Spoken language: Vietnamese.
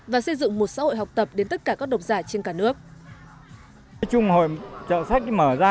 và xây dựng một xã hội học tập đến tất cả các độc giả trên cả nước